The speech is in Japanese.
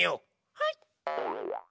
はい。